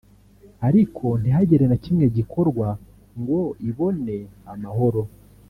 ariko ntihagire na kimwe gikorwa ngo ibone amahoro